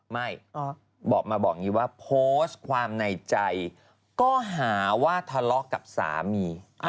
ไม่มาบอกว่าโพสต์ความในใจก็หาว่าทะเลาะกับสามี